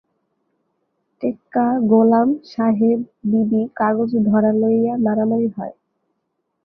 টেক্কা, গোলাম, সাহেব, বিবি-কাগজ ধরা লইয়া মারামারি হয়।